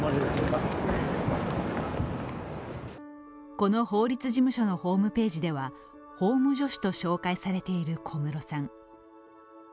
この法律事務所のホームページでは法務助手と紹介されている小室さん。